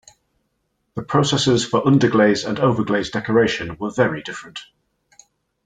The processes for underglaze and overglaze decoration were very different.